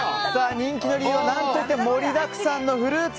人気の理由は何といっても盛りだくさんのフルーツ。